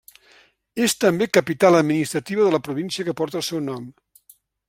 És també capital administrativa de la província que porta el seu nom.